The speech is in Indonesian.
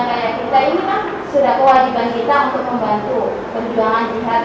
harus seperti itu dan kalau bisa amaliyah juga